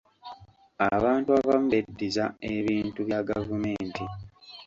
Abantu abamu beddiza ebintu bya gavumenti.